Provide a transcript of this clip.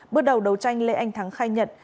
bước đầu đấu tranh lê anh thắng khai nhận